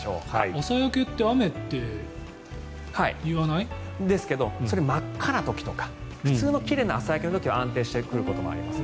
朝焼けって雨って言わない？ですけどそれ、真っ赤な時とか普通の奇麗な朝焼けの時は安定してくることもあります。